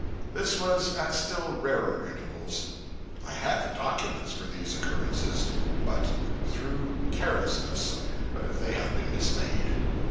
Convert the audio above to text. This was at still rarer intervals. I had the documents for these occurrences, but through carelessness they have been mislaid.